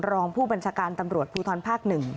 รองผู้บัญชาการตำรวจภูทรภาค๑